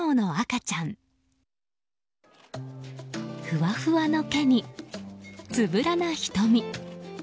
ふわふわの毛につぶらな瞳。